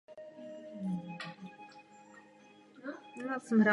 Děkanský kostel uzavírá severozápadní stranu náměstí.